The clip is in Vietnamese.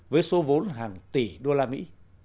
với số vốn hàng tỷ đô la mỹ